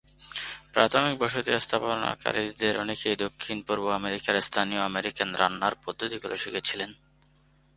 প্রাথমিক বসতি স্থাপনকারীদের অনেকেই দক্ষিণ-পূর্ব আমেরিকার স্থানীয় আমেরিকান রান্নার পদ্ধতিগুলি শিখেছিলেন।